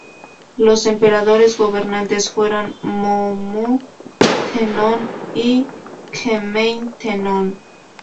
Los emperadores gobernantes fueron Mommu-"tennō" y Gemmei-"tennō".